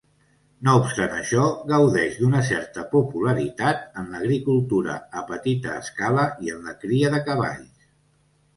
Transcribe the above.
No obstant això, gaudeix d'una certa popularitat en l'agricultura a petita escala i en la cria de cavalls.